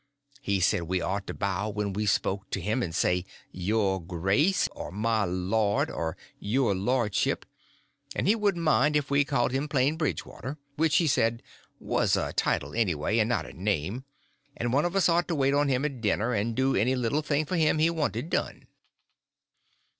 He said we ought to bow when we spoke to him, and say "Your Grace," or "My Lord," or "Your Lordship"—and he wouldn't mind it if we called him plain "Bridgewater," which, he said, was a title anyway, and not a name; and one of us ought to wait on him at dinner, and do any little thing for him he wanted done.